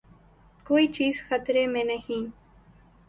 کوئی چیز خطرے میں نہیں۔